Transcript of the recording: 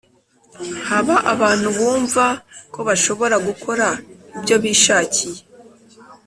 haba abantu bumva ko bashobora gukora icyo bishakiye